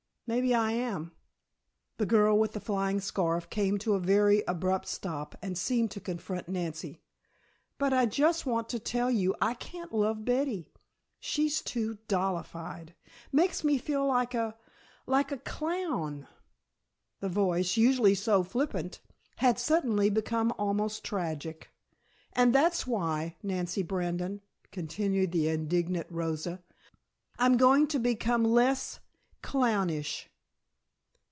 "Maybe I am." The girl with the flying scarf came to a very abrupt stop and seemed to confront Nancy. "But I just want to tell you I can't love Betty. She's too dollified. Makes me feel like a like a clown." The voice, usually so flippant, had suddenly become almost tragic. "And that's why, Nancy Brandon," continued the indignant Rosa, "I'm going to become less clownish!"